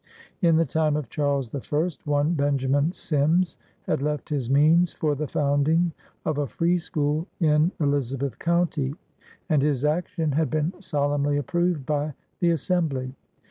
. In the time of Charles the First one Benjamin Symms had left his means for the founding of a free school in Elizabeth County, and his action had been solemnly approved by the Assembly.